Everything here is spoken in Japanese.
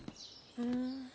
ふん。